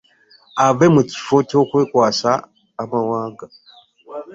Ave mu kifo ky'okwekwasa amawanga